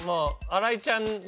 新井ちゃん